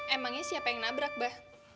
emangnya siapa yang nabrak bah